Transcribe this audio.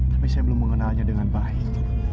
tapi saya belum mengenalnya dengan baik